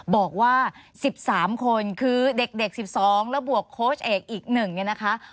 บอกว่า๑๓คนคือเด็ก๑๒แล้วบวกโค้ชเอกอีก๑เนี่ยนะคะ